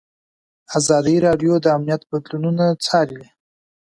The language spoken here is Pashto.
ازادي راډیو د امنیت بدلونونه څارلي.